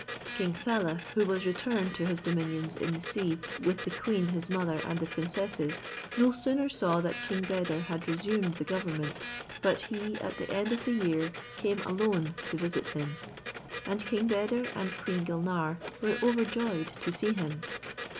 King Saleh, who was returned to his dominions in the sea with the queen his mother and the princesses, no sooner saw that King Beder had resumed the government, but he at the end of the year came alone to visit him; and King Beder and Queen Gulnare were overjoyed to see him.